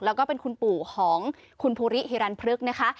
แล้วก็เป็นคุณปู่ของคุณภูริฮิรันพฤกษ์นะคะ